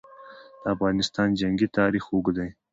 د افغانستان جنګي تاریخ اوږد دی.